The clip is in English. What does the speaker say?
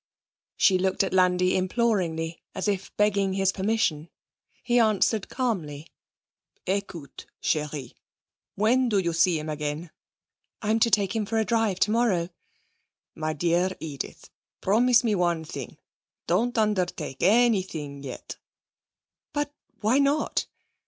She looked at Landi imploringly, as if begging his permission. He answered calmly: 'Écoute, chérie. When do you see him again?' 'I'm to take him for a drive tomorrow.' 'My dear Edith, promise me one thing; don't undertake anything yet.' 'But why not?'